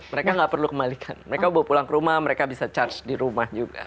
mereka nggak perlu kembalikan mereka bawa pulang ke rumah mereka bisa charge di rumah juga